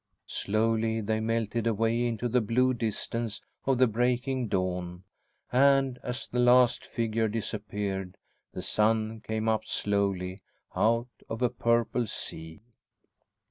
Slowly they melted away into the blue distance of the breaking dawn, and, as the last figure disappeared, the sun came up slowly out of a purple sea.